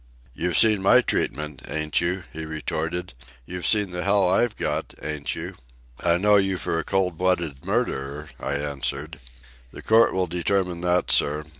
"You've seen my treatment, ain't you?" he retorted. "You've seen the hell I've got, ain't you?" "I know you for a cold blooded murderer," I answered. "The court will determine that, sir.